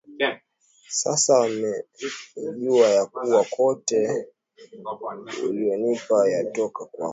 Sasa wamejua ya kuwa yote uliyonipa yatoka kwako